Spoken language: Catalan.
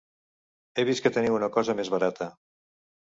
He vist que teniu una cosa més barata.